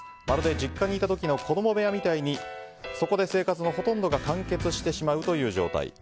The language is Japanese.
まるで実家にいた時の子供部屋みたいにそこで生活のほとんどが完結してしまうという状態。